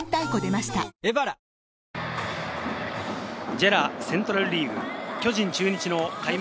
ＪＥＲＡセントラルリーグ、巨人・中日の開幕